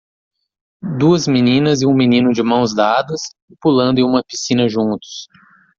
Duas meninas e um menino de mãos dadas e pulando em uma piscina juntos.